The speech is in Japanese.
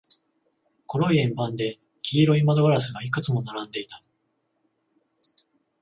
黒い円盤で、黄色い窓ガラスがいくつも並んでいた。